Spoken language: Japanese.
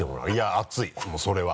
熱いもうそれは。